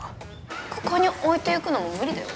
ここに置いていくのも無理だよ。